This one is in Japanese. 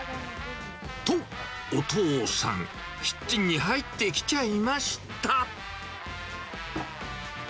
と、お父さん、キッチンに入ってきちゃいました。